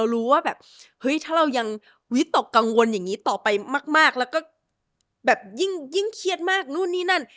ถ้าเรายังวิตกกังวลอย่างงี้ต่อไปมากแล้วก็แบบยิ่งเครียดมากนู่นนี่นั่น